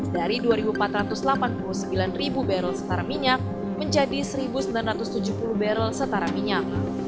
dari dua empat ratus delapan puluh sembilan barrel setara minyak menjadi satu sembilan ratus tujuh puluh barrel setara minyak